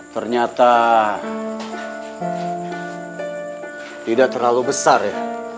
ternyata tidak terlalu besar ya